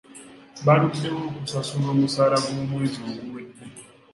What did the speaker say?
Baluddewo okusasula omusaala gw'omwezi oguwedde.